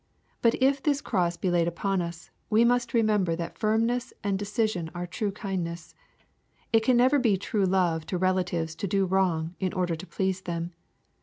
But if this cross be laid upon us, we must remember that firmness and decision are true kindness. It can never be true love to relatives to do wrong, in order to please them.